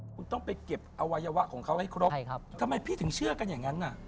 คุณต้องไปเก็บอวัยวะของเขาให้ครบทำไมพี่ถึงเชื่อกันอย่างนั้นน่ะ